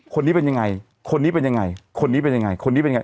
คนนี้เป็นยังไงคนนี้เป็นยังไง